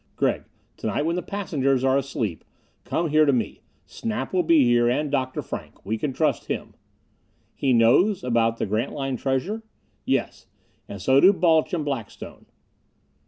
Gregg, to night when the passengers are asleep, come here to me. Snap will be here, and Dr. Frank. We can trust him." "He knows about about the Grantline treasure?" "Yes. And so do Balch and Blackstone."